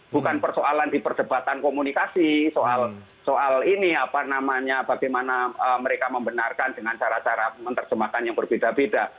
bukan persoalan di perdebatan komunikasi soal ini apa namanya bagaimana mereka membenarkan dengan cara cara menerjemahkan yang berbeda beda